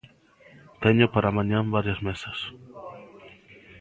Teño para mañá varias mesas.